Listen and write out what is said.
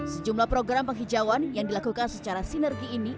sejumlah program penghijauan yang dilakukan secara sinergi ini